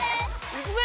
いくぜ！